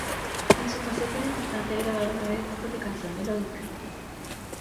En su faceta de cantante ha grabado nueve discos de canción melódica.